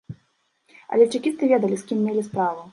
Але чэкісты ведалі, з кім мелі справу.